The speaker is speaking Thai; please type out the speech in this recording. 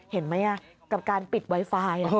เห็นไหมกับการปิดไวไฟ